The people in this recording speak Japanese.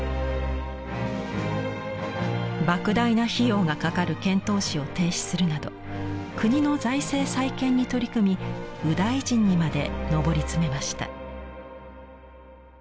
ばく大な費用がかかる遣唐使を停止するなど国の財政再建に取り組み右大臣にまで上り詰めました。